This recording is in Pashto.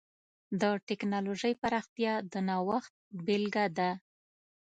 د ټکنالوجۍ پراختیا د نوښت بېلګه ده.